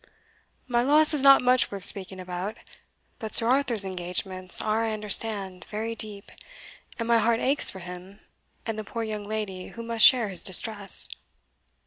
My loss is not much worth speaking about; but Sir Arthur's engagements are, I understand, very deep, and my heart aches for him and the poor young lady who must share his distress."